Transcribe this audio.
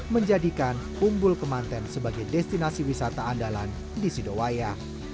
menjadikan umbul kemanten sebagai destinasi wisata andalan di sidowaya